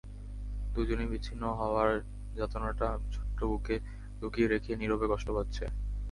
দুজনই বিচ্ছিন্ন হওয়ার যাতনাটা ছোট্ট বুকে লুকিয়ে রেখেই নীরবে কষ্ট পাচ্ছে।